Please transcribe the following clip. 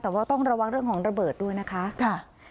แต่ว่าต้องระวังเรื่องของระเบิดด้วยนะคะ